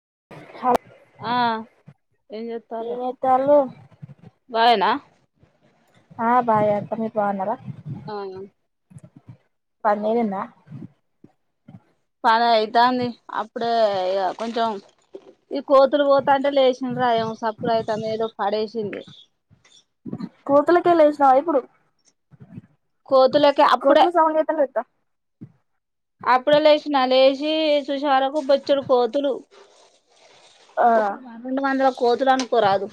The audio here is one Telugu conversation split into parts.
[unintelligible] ఆహ్ ఎంజేత్తార ఏం చేత్తాళ్ళు బావేనా ఆ బాగెయెక్క మీరు బాగున్నరా ఆవు పన్మీదుందా పని అయితాంది అప్పుడే ఇగా కొంచెం ఈ కోతులు పోతాంటే లేచిండ్ర ఏమో సప్పుడు అయితంది ఏదో పడేషీన్ది కోతులకే లేసినావ ఇప్పుడు కోతులకి అప్పుడే కోతుల సౌండ్ చేత్తాంటే లేత్తా అప్పుడే లేచిన లేచి చూసేవరకు బొచ్చడు కోతులు ఆ ఒక రెండు వందల కోతులు అనుకోరాదు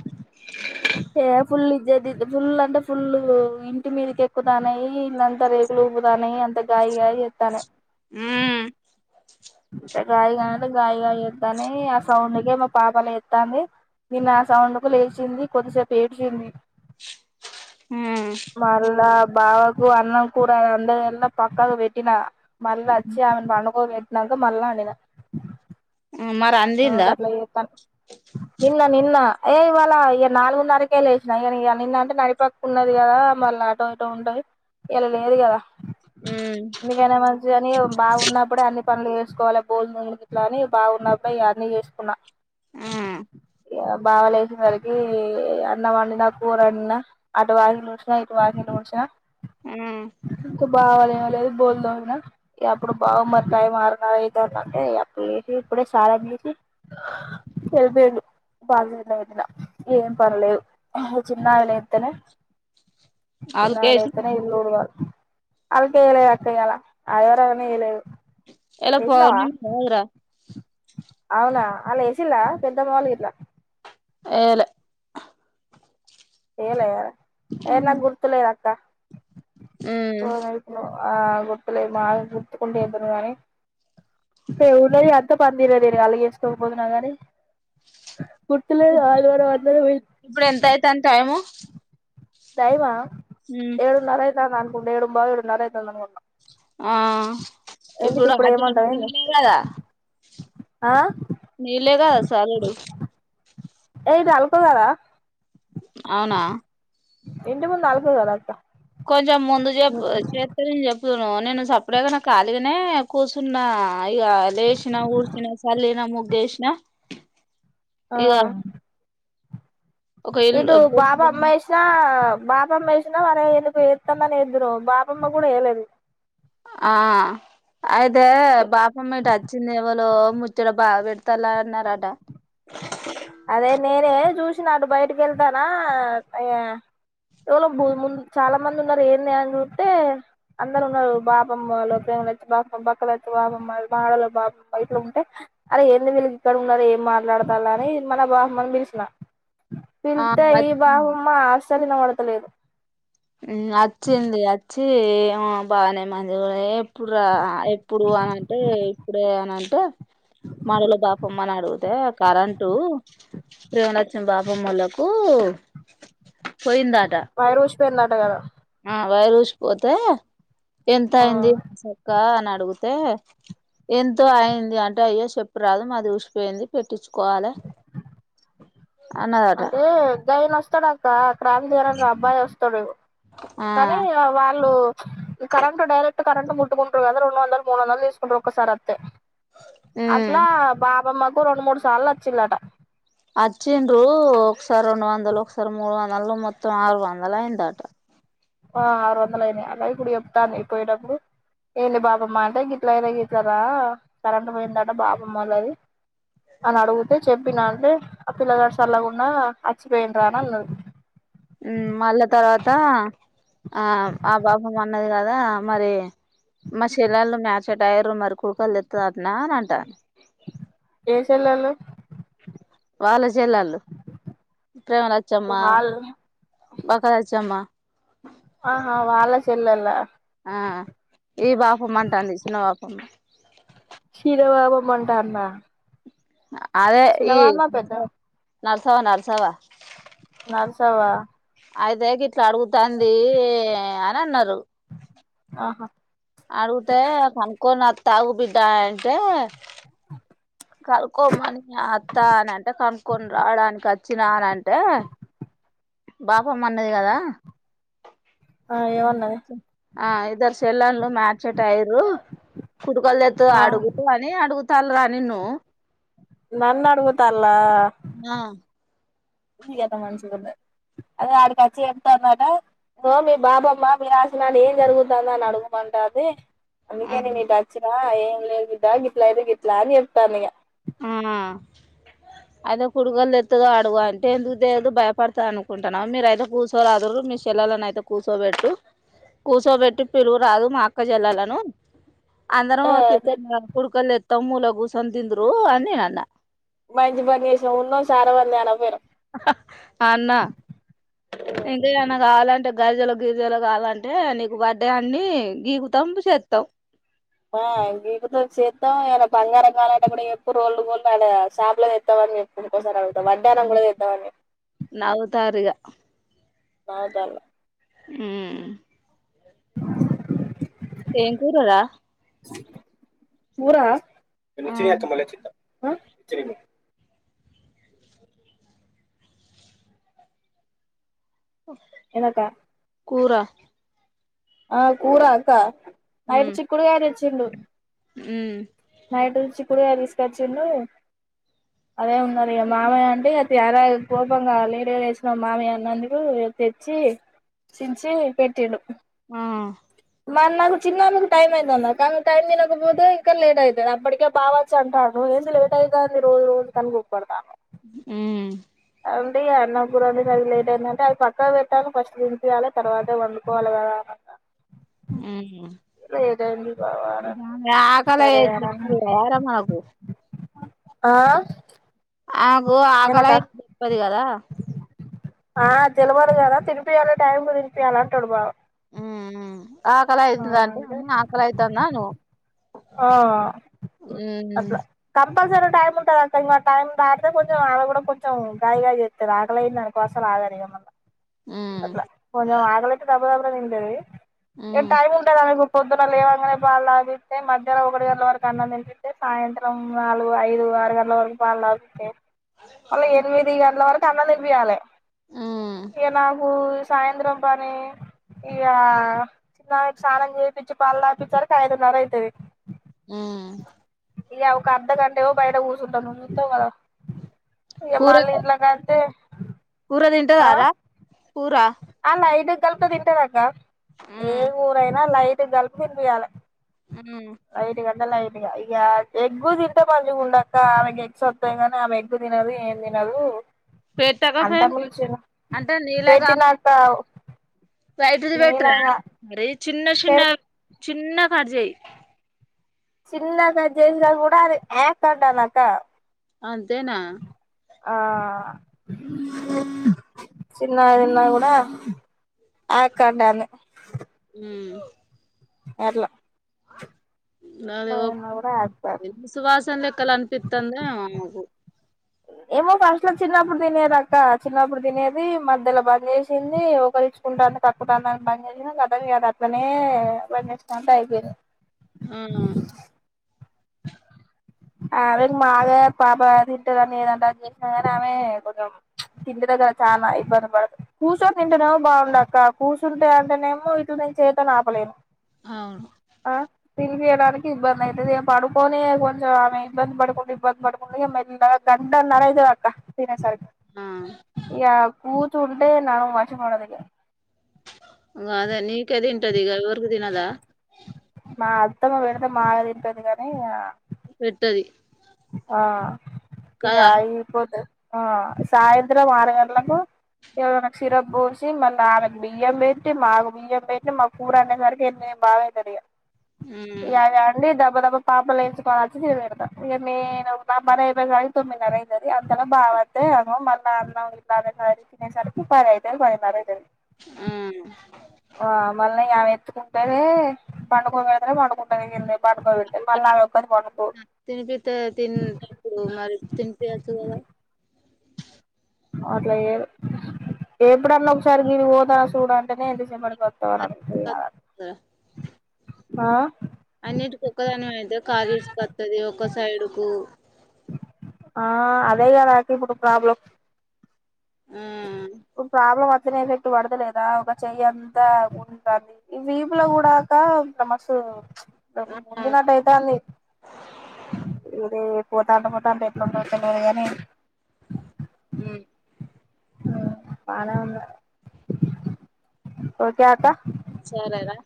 ఏ ఫుల్ ఇద్దది దు ఫుల్ అంటే ఫుల్ ఇంటి మీదకి ఎక్కుతానాయ్ ఇల్లంతా రేకులు ఊపతాన్నాయి అంత గాయిగాయి చేత్తానాయ్ హమ్ అంటే గాయగానింటే గాయగాయ చేత్తన్నాయ్ ఆ సౌండ్కే మా పాప లేత్తాంది నిన్న ఆ సౌండ్ కు లేచింది కొద్దిసేపు ఏడ్చింది మళ్లా బావకు అన్నం కూర అంద ఎలా పక్కకు పెట్టినా మళ్ళ అచ్చి ఆమెను పండుకోపె నాక మళ్ళ అండినా మరి అందిందా నిన్న నిన్న ఏ ఇవాళ ఇ నాలుగున్నరకే లేసినా కానీ ఇ నిన్న అంటే నడిపక్క ఉన్నది కదా మళ్ళ అటో ఇటో ఉంటది ఇలా లేదు కదా ఎందుకైనా మంచిదని బాగున్నప్పుడే అన్ని పనులు చేస్ చూసుకోవాల బోల్ [unintelligible] ఆ బాగున్నా బయ్ యాన్ని చేసుకున్నా ఇగ బావలేసినసరికి అన్నం వండిన కూరండిన అటు వాకిలు ఊడ్చిన ఇటు వాకిలు ఊడ్చిన ఊ బావలేవలేదు బోల్దోమినా కి అప్పుడు బావ మరి టైం ఆరున్నర అయితాంది అంటే అప్పుడు లేచి ఇప్పుడే స్నానం జేసి హా ఎల్లిపోయిండు బాగా [unintelligible] ఏం పన్లేదు చిన్నామే లేత్తనే నామే అల్కేసి లేత్తనే ఇళ్లు ఊడ్వాలి అల్కేయలే అక్క ఇయ్యాల ఆదివారం అని ఏయలేదు ఎలా యేసినవా పౌర్ణమి కాదురా అవునా ఆల్లు ఏసిల్ల పెద్దమ్మ వాళ్లు గిట్ల ఏయలే ఏయలే ఏయలే ఏన్న గుర్తులేద అక్కా ఊ ఆ గొప్పలే మా గుర్తుకుంటేద్దను గాని ఏమున్నది అంత బిరి బీరి గాని గుర్తులేదు ఇప్పుడు ఆదివారం ఏమున్నది అందరం పోయి ఇప్పుడు ఎంత అయితాంది టైము టైమా ఉమ్ ఏడున్నర అయితాంది అన్ ఇప్పుడు ఏడుంబావ్ ఏడున్నర అయితాంది అనుకుంట ఆ ఇప్పుడు అటీ ఏమంటావు ఏంది నీళ్లే కదా ఆ నీళ్లే కదా సాలేడు ఏది అల్క కదా అవునా ఇంటి ముందు అల్కలేదా అక్క కొంచం ముందు జప్ చేత్తరి నే చ చేస్తును నేను సపరేట్గా నా కాలీగనే కూర్చున్నా ఇగ లేసిన కూర్చిన చల్లినా ముగ్గు ఏసినా ఆ ఒక ఇటు ఇల్లు బోల్డు బాబామ్మేష్నా బాబామ్మేషన మనమే వేస్తాందని ఎదురు బాపమ్మ కూడా వేయలేదు ఆ అయితే బాపమ్మఈటు వచ్చింది ఎవళ ముచ్చట బాగా పెడతలా అన్నారట అదే మీరే చూసిన అటు బయటకి వెళ్తానా వోముందు చాలా మంది ఉన్నారు ఏంది అని చూస్తే అందరు ఉన్నారు బాపమ్మ వాళ ప్రేమలచ్చి బాపమ్ బక్కలచ్చి బాపమ్మ వా మాడళ బాపమ్మ బయటలో ఉంటే అరే ఏంది వీళ్ళకి ఇక్కడ ఉన్నారుఏమి మాట్లాడతారు అని మన బామ్మని పిలుస్తారు ఆ పిలిస్తే ఈ వచ్చింది బామ్మ తలిన పడతలేదు వచ్చింది వచ్చిమో బాగానే మంది ఎప్పుడు రా ఎప్పుడు అనంటే ఇప్పుడే అనంటే మడల బాపమ్మ అని అడిగితేా కరెంటు ప్రేవణక్షం బాపమ్మలకు పోయిందాట పోయిందట కదా ఆ వైరు రూసి పోతే ఎంత ఆ అయింది నా సక్క అ నా అడిగితే ఎంతో అయింది అంటే అయ్యో చెప్పు రాదు మాది ఊసిపోయింది పెట్టించుకోవాలి అన్నదట అంటే దైనా [unintelligible] క్రాంత దరనికి అబ్బాయి వస్తాడు ఆ కానీ వాళ్ళు కరెంట్ డైరెక్ట్ కరంట్ ముట్టుకుంటద రెూ వంద మూ వంద చూసుకుంటు ఒకసారి వస్తే అట్లా బా ఇమ్ మాకు రెడు మూడు సార్లు వచ్చిలట వచ్చిండు ఒకసారి రెండు వందలు ఒకసారి మూడు వందలు మొత్తం ఆరు వందలు అయిందట ఆ ఆరు వందలు అయినాయి అలాగ ఇప్పుడు చెప్తాను అయి పోయేటప్పుడు ఏంది బాబమ్మ అంటే గిట్ల అయిద గిట్ల రా కరెంట్ పోయిందంట బాబమ్మ వాలది అని అడిగితే చెప్పినా అంటే ఆ పిల్లగడ చల్కుండా అచ్చిపోయిన రా అని అన్నది అ ఆ ఆ బాబం అన్నది కదా మరి మా చెల్లళు మచేటైర్ మరి కుడుకలు ఎత్తంది అటనా అని అంటను ఏ చెల్లెలు వాళ్ళ చెల్లళు ప్రేమరాజమ్మ వాళ్ళ బకా రాజమ్మ ఆహ వాళ్ాల చెల్లల ఆ ఈ పాపమ్మంటాంది ఇ చిిన పాపమ్మ చిన్న బబమంటన్నా అదే ఈ నాలుసావా నాలుసవా నర్సవా అయితేగ ఇట్లా అడుగుతుంది అని అన్నారు ఆహా ఆడుగుతె కకో నా తకు బద అతే కనుక్కమని అత్తా అని అంటే కనుక్కొని రావడానికి వచ్చినానింటే [unintelligible] బాపమ్ అన్నది కదా ఆ అ ఏమన్నది స ఆ ఇద్దరు చెల్లలు మాచట్ ఐయిలు కుడ్కల్లు తెతదో ఆ అడుగు అని అడుగుతు తల్ రా నిన్ను నన్ అడగుతా అలా గత మంచి అదే వాడికి వచ్చి చెప్తన్నటో మీ బాబమ్మ మీ రాసినడు ఏం జరుగుతుంద అని అడుగుమంట అది అందుకే ఆ నేను ఇటు వచ్చిన ఆ ఏం లే గా గిలా ఇది గిట్లా అని చెప్తా ఉంది ఇగ ఆ అయితే కొడుగలు తెత్తదో అడుగు అంటే ఎందుకు తెదు భయపడుతుంది అనుకుంటున్నా, మీరు అయితే కూర్చోరాదురు మీ చెల్లని అయితే కూర్చోబెట్టు కూర్చోబెట్టి పిలుగు రాదు మా అక్క చెల్లలను అందరం ఆ సరే కుడుకలుస్తాం మూల కూసోని తిందుర్ ప్పు అన్నే అన్న మంచి పని చేసినాం ఉన్నాం సారావంద అన పరు అన్నా ఎంక నాకు ఆలంట అంటే గరిజలు గిరిజలు కావాలంటే నీకు బర్డే అన్ని గీగుతాంపు చేస్తాం ఆ ఇతో చేద్దాం ఏ బంగారం కాలంటే కూడా ఎక్ప్పుడు రోళ్ళలు గోు షాప్లోస్తాం అని చెప్పుకోస నావ తారీగా అవుదాల మ్ ఏం కూరార ఊరా ఆ నిచ్చనియాత మళ చిత్తం హ ఓ ఎలక కూర ఆ కూర అకా నైటు ఉమ్ చిక్కుడుకాయ తెచ్చిండు ఉమ్ నైటు చి ఇపుడే తీసుకొచ్చిండు అదే ఉన్నక మామయ్య అంటే ఇక త్య కోపంగా లీడ వేసిన మామి అన్నందుకు తెచ్చి చించి పెట్టిండు ఆ మరి నాకు చిన్నందుకు టైం అయింది అన్నారు, కానీ టైం తినకపోతే ఇంకా లేట్ అవుతది, అప్పటికే బావచ్చు అంటాడు ఏంది లేట్ అయితాంది రోజు రోజు అని [unintelligible] మ్ అండి, అన్న గురని అది లేట్ అయింది అది పక్కా పెట్టాలను ఫస్ట్ దినిపయాలి తర్వాత వండుకోవాలి కదా అన్న అయింది బావ అని అంటే అకాల సరే అని అన్న [unintelligible] ఆ ఆ ఓవు ఆకలా ఏందక్క చెప్పది కదా ఆ తెలమర కాదా తిరిపియాల టైం కు తినిపియాల అంటాడు బావు మ్ మ్ ఆకలి అవుతుంద అంటే అమ్మ ఆకలి అవుతుంద అను ఆ మ్మ్ అప్పు క కంపల్సర్ టైం ఉంటుంది అక్క ఇం టైం దాటితే కొంచెం ఆళ్డ కూడా కొంచెం గాయగాయ చేస్త రాకలేని దాకోసలు ఆగ మ మ్మ్ అట్లా ఆగలతే దబ పదిండది ఎ మ్మ్ టైమ్ ఉంటా అ కుద్ర లేవనే బాల్ ఆది అయితే మధ్యాహ్ం ఒకటి గంటల వరకు అన్నం తింపింటతే సాయంత్రం నాలుగు ఐదు ఆరు గంటల వరకు పాలులాపింటాయి అళ్లా ఎనిమిది అలా వరకు కన్న నిర్వియాల మ్మ్ ఏ బగు సాయంత్రం పని ఇక చిన్నకి స్నానం చేయిించి పళ్ళ ఆపించరికి ఐదున్నర అయి త ఆ ఇ ఒ ఒక అర్ధఘంటే బైట ఊ సుట్ట ను క ఏ కూర మాలలాగాతే కూర తింంటదారా కూర స్వల్ప తింటదాకా ఏ మ్మ్ ఊరయినాల అయి గల్ ఫవి వాల మ్మ్ ఐదు గంటల ఐ ఇ ఇక ఎగ్గు తింటే మంచిగా ఉండక్క ఆమెకి ఎగ్స్ వస్తాయి గాని ఆమె ఎగ్గు తినదు ఏం తినదు పేటకా ఫెన్ పెటిలాంత సయటిది పెట్రా మరి చిన్న పె చిన్న చిన్న కట్ చెయ్ చిన్నగా చేసినా కూడా అది ఏక్డ్డానక అంతేనా ఆ చిన్నదిన్న కూడా యాక్ అం మ్ వర్లా అదే కూడా యాక్ సువాసన లెక్కలు అనిపిస్తుంది ఏమో ఫస్ట్లో చిన్నప్పుడు తినేది అక్క, చిన్నప్పుడు తినేది మధ్యలో బంద్ చేసింది, ఒకరు ఇచ్చుకుంటాంత కక్కుడాని బంద్ చేసింది, కద అది అట్నే బంద్ చేసంటే అయిపోయింది. అవునా ఆమెక్ మాగా పాప తింటారని ఏదంటా చేసినా కాని ఆమె కొంచెం ప్చ్ ఇంటి దగ్గర చాలా ఇబ్బంది పడత కూర్చొని తింటనేమో బాగుండ అక్క కూర్చుంటే అంటేనేమో ఇట్లు నేను చేతో నా ఆపలేను అవును ఆ లేయడానికి ఇబ్బంది అయితది ఇక పడుకొనే పన్ స ఆమె ఇబ్బంద పడుకుంట ఇబ్బంది బడుకుంట మెల్లగ గంటన్నర అయితది అక్క తినేసరికి ఆ యా పూ తూ ఉంటే నా మసిపడ దగ్గర అదే నీకే ఇగ ఎవరికి తినదా మా అత్తమ్మ పెడితే మాగా తింటది గాని పెద్దది ఆ ఇగ ఏ పోత ఆ సాయంత్రం ఆరు గంటలకు ఎవన క్షీరం బోసి మా నాన్నకు బియ్యం పెట్టి మాకు బియ్యం పెట్టి మా కూర అయ్యే సరికి ఎనిమిది బావ్ అయితదిగా ఉమ్ యాద అండి దప్ పాపల నేతుకనొచ్చి ఈడ బెడతా ఇంగ నేను నా పని అయిపోయే వరకి తొమ్మిదిన్నర అయితది అంతలో బావోతే మళ్ళా అన్నం ఇల్లా అనే తినేసరికి పది అయితది పదిన్నర అయితది ఆ ఆ మల్లా యా య ఎత్తుకుంటనే పండుకో మాత్రం పండుకుంటది పడుకోబెట్టాలి మల్లా ఆమె ఒక్కటె పనుకోదు తినిపితే తిన్ టపుడు మరి తినిపియచు కదా అట్లా లేద్ ఎప్పుడన్నా ఒకసారి మీదికి పోత సూడు అంటేనే ఎంత సేపు పడత ప ఆ అన్నిటికి ఒక్కదాని వయితే కాజేస్కొత్తది ఒక్క సైడు కు ఆ అదే కదండి ఇప్పుడు ప్రాబ్లం ఆ ప్ ప్రాబ్లెమ్ ఎఫెక్ట్ పడుత లేదా ఒక చెయ్ అంతా ఉంటంది ఈ వీపులో గుడక మస్తు ప్చ్ ఆ ముందినట్టయితాంది ఇవ్డే పోతా అంట పోతా అంటే ఎట్లుండవు తిన్నారు కాని ఉమ్ పనవులు ఓకే అక సరేరా